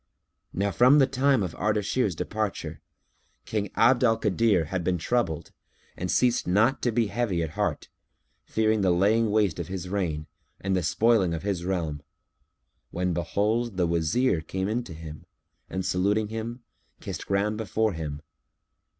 Now from the time of Ardashir's departure, King Abd al Kadir had been troubled and ceased not to be heavy at heart, fearing the laying waste of his reign and the spoiling of his realm; when behold, the Wazir came in to him and saluting him, kissed ground before him.